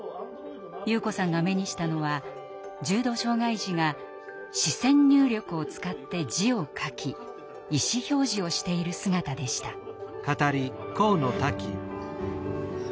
優子さんが目にしたのは重度障害児が視線入力を使って字を書き意思表示をしている姿でした。